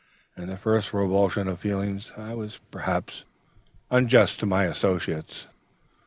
In the first revulsion of feeling, I was perhaps unjust to my associates.